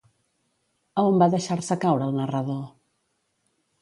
A on va deixar-se caure el narrador?